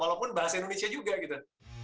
walaupun bahasa indonesia juga gitu